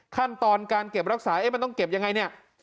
ขั้นตอบการเก็บรักษามันต้องเก็บอย่างไรนี่